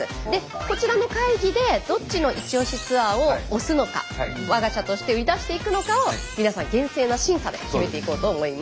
こちらの会議でどっちのイチオシツアーを推すのか我が社として売り出していくのかを皆さん厳正な審査で決めていこうと思います。